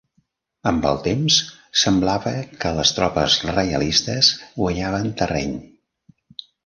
Amb el temps, semblava que les tropes reialistes guanyaven terreny.